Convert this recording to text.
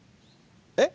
えっ！？